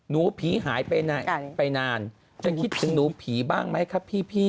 หนูผีหายไปนานจะคิดถึงหนูผีบ้างไหมครับพี่